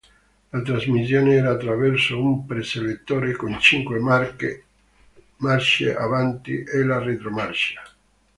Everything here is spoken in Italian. La trasmissione era attraverso un pre-selettore con cinque marce avanti e la retromarcia.